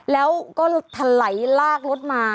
แล้วก็ถลายลากรถมา